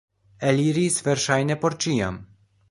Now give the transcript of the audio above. Eliris, verŝajne, por ĉiam.